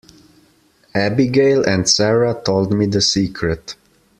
Abigail and Sara told me the secret.